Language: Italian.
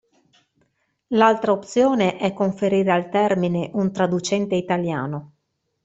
L'altra opzione è conferire al termine un traducente italiano.